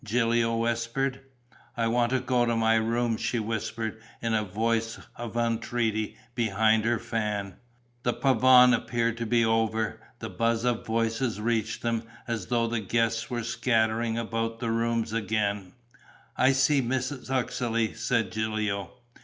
Gilio whispered. "I want to go to my room!" she whispered, in a voice of entreaty, behind her fan. The pavane appeared to be over. The buzz of voices reached them, as though the guests were scattering about the rooms again: "I see Mrs. Uxeley," said Gilio.